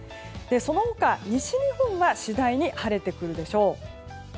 その他、西日本は次第に晴れてくるでしょう。